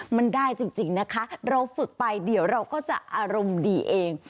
มันได้จริงนะคะเราฝึกไปเดี๋ยวเราก็จะอารมณ์ดีเอง